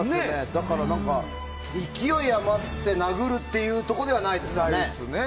だから、勢い余って殴るというところではないですね。